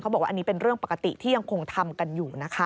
บอกว่าอันนี้เป็นเรื่องปกติที่ยังคงทำกันอยู่นะคะ